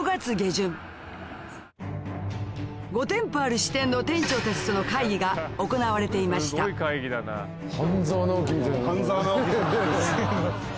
５店舗ある支店の店長たちとの会議が行われていました『半沢直樹』さんですよね。